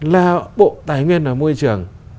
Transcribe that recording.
là bộ tài nguyên ở môi trường